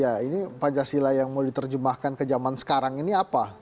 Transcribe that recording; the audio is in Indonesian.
ya ini pancasila yang mau diterjemahkan ke zaman sekarang ini apa